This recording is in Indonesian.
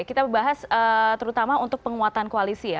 kita bahas terutama untuk penguatan koalisi ya